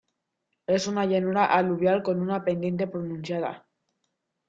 Es una llanura aluvial con una pendiente pronunciada.